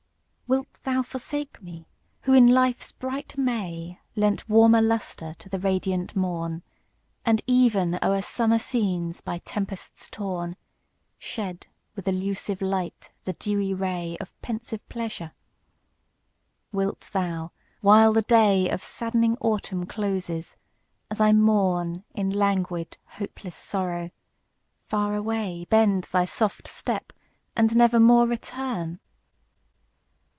WILT thou forsake me who in life's bright May Lent warmer lustre to the radiant morn; And even o'er summer scenes by tempests torn, Shed with illusive light the dewy ray Of pensive pleasure? Wilt thou, while the day Of saddening autumn closes, as I mourn In languid, hopeless sorrow, far away Bend thy soft step, and never more return?